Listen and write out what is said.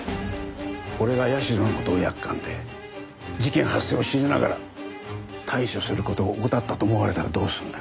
俺が社の事をやっかんで事件発生を知りながら対処する事を怠ったと思われたらどうするんだ。